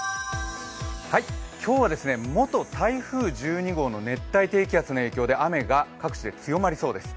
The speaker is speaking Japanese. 今日は元台風１２号の熱帯低気圧の影響で雨が各地で強まりそうです。